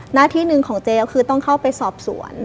หน้าที่หนึ่งของเจลคือต้องเข้าไปสอบสวน